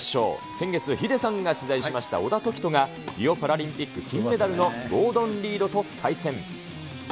先月、ヒデさんが取材しました小田凱人が、リオパラリンピック金メダルのゴードン・リードと対戦。